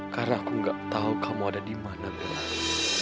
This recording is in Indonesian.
karena aku gak tahu kamu ada di mana belakang